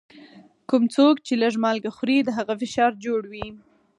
کوم څوک چي لږ مالګه خوري، د هغه فشار جوړ وي.